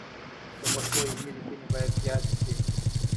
د پښتو علمي لیکنې باید زیاتې سي.